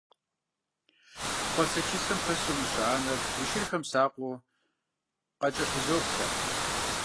Къуацэ-чыцэм хэсу мыщэ анэр и шырхэм сакъыу къакӀэлъызоплъэ.